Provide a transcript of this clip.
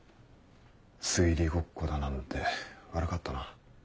推理ごっこだなんて悪かったな。